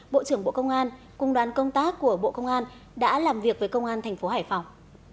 bộ trưởng bộ công an cung đoàn công tác của bộ công an đã làm việc với công an tp hải phòng